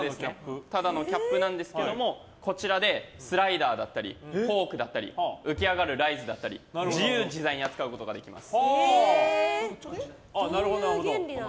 ただのキャップなんですがこちらでスライダーだったりフォークだったり浮き上がるライズだったり自由自在に扱うことができます。